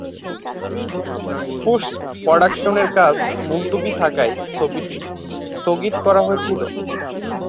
পোস্ট-প্রডাকশনের কাজ মুলতুবি থাকায় ছবিটি স্থগিত করা হয়েছিল।